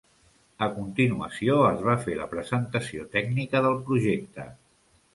A continuació es va fer la presentació tècnica del projecte.